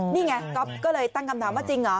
นี่ไงก๊อฟก็เลยตั้งคำถามว่าจริงเหรอ